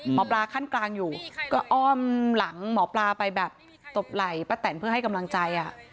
ขั้นกลางอยู่ก็อ้อมหลังหมอปลาไปแบบตบไหล่ป้าแตนเพื่อให้กำลังใจ